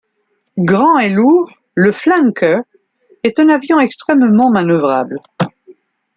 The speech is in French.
Grand et lourd, le Flanker est un avion extrêmement manœuvrable.